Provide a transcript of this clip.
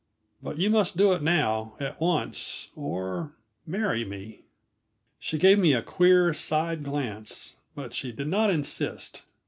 But you must do it now, at once, or marry me." She gave me a queer, side glance, but she did not insist.